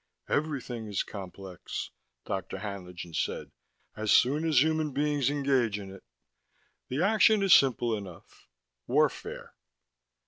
"Everything is complex," Dr. Haenlingen said, "as soon as human beings engage in it. The action is simple enough: warfare."